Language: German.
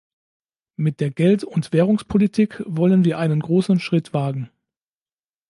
Mit der Geld- und Währungspolitik wollen wir einen großen Schritt wagen.